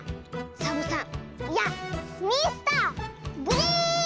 サボさんいやミスターグリーン！